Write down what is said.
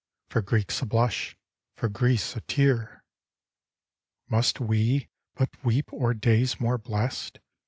For Greeks a blush — for Greece a tear. Must we but weep o'er days more blest